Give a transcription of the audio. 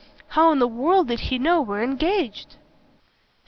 How in the world did he know we're engaged?"